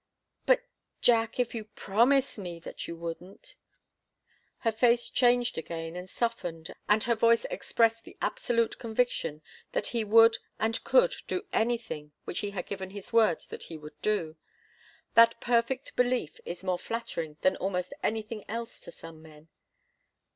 "But, Jack if you promised me that you wouldn't?" Her face changed again, and softened, and her voice expressed the absolute conviction that he would and could do anything which he had given his word that he would do. That perfect belief is more flattering than almost anything else to some men.